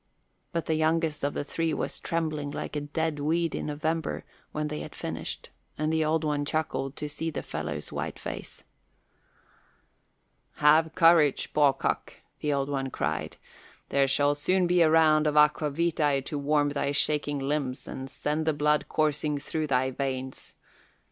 But the youngest of the three was trembling like a dead weed in November when they had finished, and the Old One chuckled to see the fellow's white face. "Have courage, bawcock," the Old One cried; "there shall soon be a round of aqua vitæ to warm thy shaking limbs and send the blood coursing through thy veins.